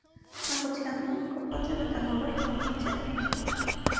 Նեղուցի անունը կապված է վտանգավոր նավարկության հետ։